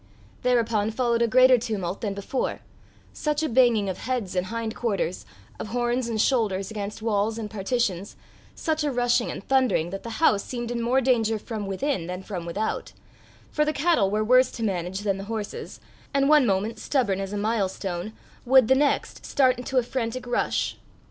Thereupon followed a greater tumult than before such a banging of heads and hind quarters, of horns and shoulders, against walls and partitions, such a rushing and thundering, that the house seemed in more danger from within than from without; for the cattle were worse to manage than the horses, and one moment stubborn as a milestone, would the next moment start into a frantic rush.